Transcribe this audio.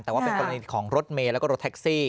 แต่ว่าเป็นกรณีของรถเมย์แล้วก็รถแท็กซี่